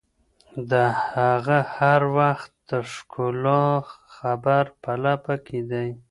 د هغه هر وخت د ښکلا خبر په لپه کي دي